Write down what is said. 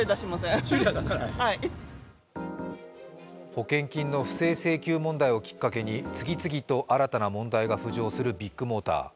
保険金の不正請求問題をきっかけに次々と新たな問題が浮上するビッグモーター。